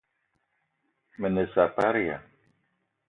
Me ne saparia !